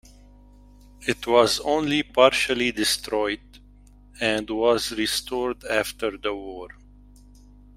It was only partially destroyed, and was restored after the war.